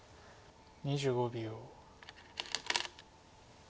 ２５秒。